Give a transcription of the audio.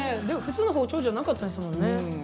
でも普通の包丁じゃなかったですもんね。